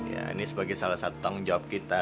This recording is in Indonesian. ya ini sebagai salah satu tanggung jawab kita